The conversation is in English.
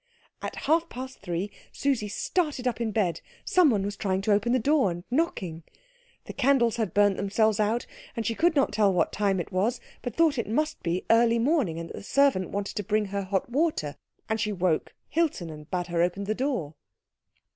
At half past three Susie started up in bed; some one was trying to open the door and knocking. The candles had burnt themselves out, and she could not tell what time it was, but thought it must be early morning and that the servant wanted to bring her hot water; and she woke Hilton and bade her open the door.